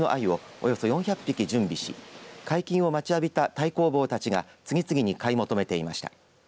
およそ４００匹準備し解禁を待ちわびた太公望たちが次々に買い求めていました。